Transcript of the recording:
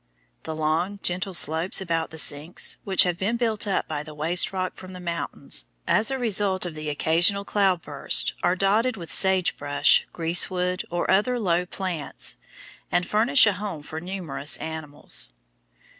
The long, gentle slopes about the sinks, which have been built up by the waste rock from the mountains, as a result of the occasional cloudbursts are dotted with sage brush, greasewood, or other low plants, and furnish a home for numerous animals.